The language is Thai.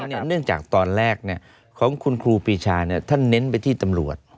เนื่องจากตอนแรกของคุณครูปีชาท่านเน้นไปที่ตำรวจ